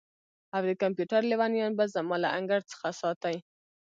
او د کمپیوټر لیونیان به زما له انګړ څخه ساتئ